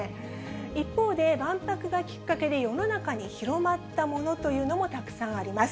一方で、万博がきっかけで世の中に広まったものというのもたくさんあります。